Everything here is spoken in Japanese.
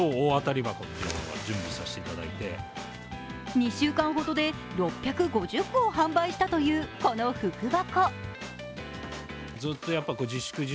２週間ほどで６５０個を販売したというこの福箱。